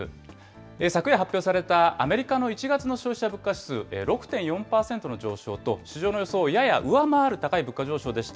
昨夜発表されたアメリカの１月の消費者物価指数、６．４％の上昇と、市場の予想をやや上回る高い物価上昇でした。